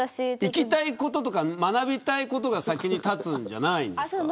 聞きたいことや学びたいことが先に立つんじゃないですか。